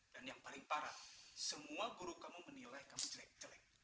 dan yang paling parah semua guru kamu menilai kamu jelek jelek